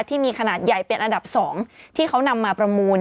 ที่มีขนาดใหญ่เป็นอันดับ๒ที่เขานำมาประมูล